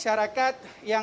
bima arya menyampaikan